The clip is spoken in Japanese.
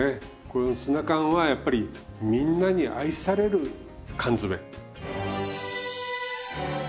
このツナ缶はやっぱりみんなに愛される缶詰。